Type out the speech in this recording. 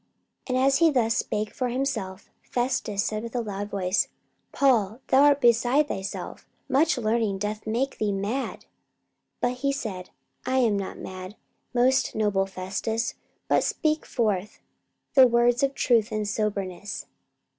44:026:024 And as he thus spake for himself, Festus said with a loud voice, Paul, thou art beside thyself; much learning doth make thee mad. 44:026:025 But he said, I am not mad, most noble Festus; but speak forth the words of truth and soberness.